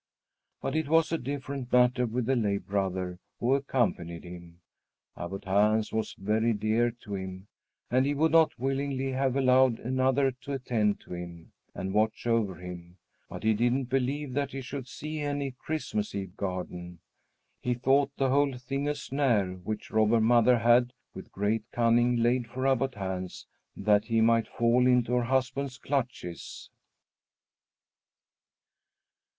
But it was a different matter with the lay brother who accompanied him. Abbot Hans was very dear to him, and he would not willingly have allowed another to attend him and watch over him; but he didn't believe that he should see any Christmas Eve garden. He thought the whole thing a snare which Robber Mother had, with great cunning, laid for Abbot Hans, that he might fall into her husband's clutches.